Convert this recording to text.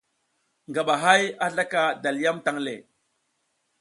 Ngaba hay a zlaka dalyam tang le.